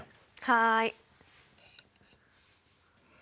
はい。